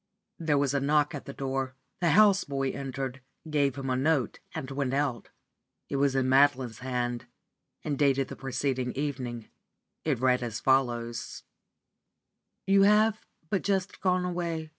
There was a knock at the door. The house boy entered, gave him a note, and went out. It was in Madeline's hand, and dated the preceding evening. It read as follows: "You have but just gone away.